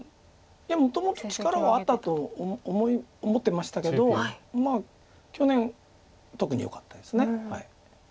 いやもともと力はあったと思ってましたけどまあ去年特によかったです。